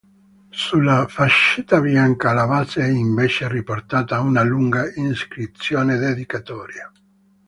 Sulla fascetta bianca alla base è invece riportata una lunga iscrizione dedicatoria.